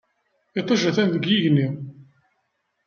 Iṭij atan deg yigenni.